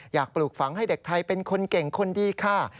ปลูกฝังให้เด็กไทยเป็นคนเก่งคนดีค่ะ